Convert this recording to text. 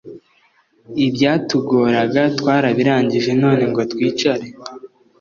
Ibyatugoraga twarabirangije none ngo twicare